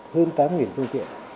hơn tám phương tiện